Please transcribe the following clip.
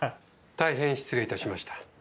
大変失礼いたしました。